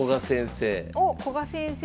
おっ古賀先生